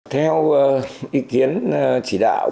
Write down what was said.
theo ý kiến chỉ đạo